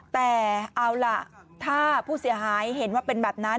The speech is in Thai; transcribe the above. แต่เอาล่ะถ้าผู้เสียหายเห็นว่าเป็นแบบนั้น